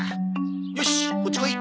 よしこっち来い。